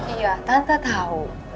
iya tante tau